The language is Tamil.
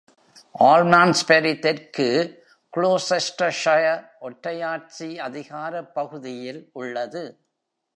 ஆல்மாண்ட்ஸ்பரி தெற்கு க்ளோசெஸ்டர்ஷைர் ஒற்றையாட்சி அதிகாரப் பகுதியில் உள்ளது.